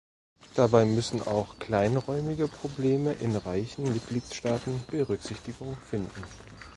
Dabei müssen auch kleinräumige Probleme in reichen Mitgliedstaaten Berücksichtigung finden.